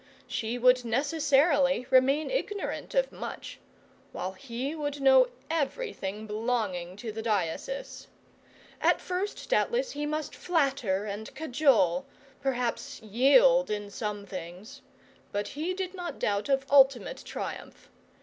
She would necessarily remain ignorant of much while he would know everything belonging to the diocese. At first, doubtless, he must flatter and cajole, perhaps yield in some things; but he did not doubt of ultimate triumph.